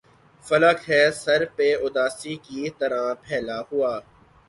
فلک ہے سر پہ اُداسی کی طرح پھیلا ہُوا